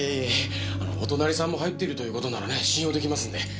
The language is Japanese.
あのお隣さんも入ってるという事ならね信用出来ますんで。